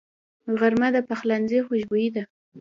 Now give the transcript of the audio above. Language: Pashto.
غرمه د پخلنځي خوشبويي ده